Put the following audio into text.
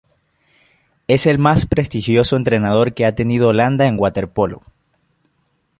Es el más prestigioso entrenador que ha tenido Holanda en waterpolo.